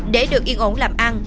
để được yên ổn làm ăn